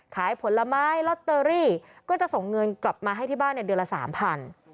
ขายผลไม้ลอตเตอรี่ก็จะส่งเงินกลับมาให้ที่บ้านเดือนละสามพัน